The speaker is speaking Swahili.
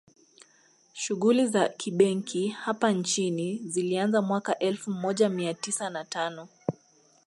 Shughuli za kibenki hapa nchini zilianza mwaka elfu moja mia tisa na tano